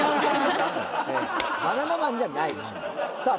ハハハバナナマンじゃないでしょさあ